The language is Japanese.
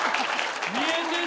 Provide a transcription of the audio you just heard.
見えてる！